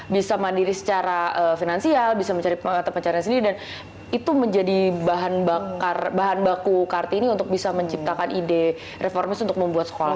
bisa mandiri secara finansial bisa mencari mata pencarian sendiri dan itu menjadi bahan baku kartini untuk bisa menciptakan ide reformasi untuk membuat sekolah